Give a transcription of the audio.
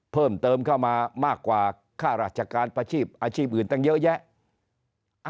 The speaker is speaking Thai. เพิ่มเติมเข้ามามากกว่าค่าราชการประชีพอาชีพอื่นตั้งเยอะแยะ